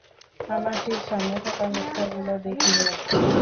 আমার ঠিক সামনে থাকা মিথ্যাগুলো দেখিনি আমি।